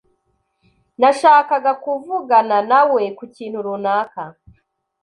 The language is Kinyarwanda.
Nashakaga kuvugana nawe kukintu runaka.